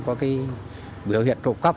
có biểu hiện trộm cắp